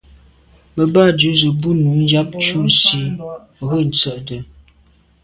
À bə́ á dʉ̀’ zə̄ bú nǔ yáp cû nsî rə̂ tsə̂də̀.